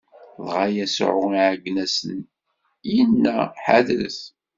Dɣa Yasuɛ iɛeggen-asen, inna: Ḥadret!